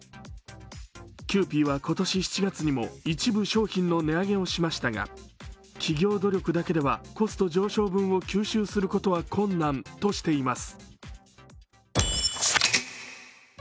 キユーピーは今年７月にも一部商品の値上げをしましたが、企業努力だけではコスト上昇分を吸収することは困難としています。